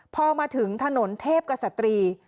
พอมาถึงถนนเทพกษัตรี